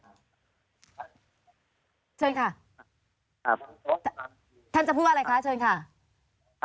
เชิญค่ะครับท่านจะพูดอะไรคะเชิญค่ะ